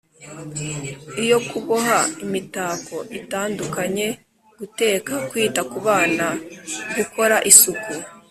iyo kuboha imitako itandukanye, guteka, kwita ku bana, gukora isuku